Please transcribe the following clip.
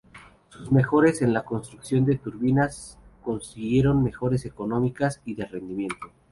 Sus mejoras en la construcción de turbinas consiguieron mejoras económicas y de rendimiento.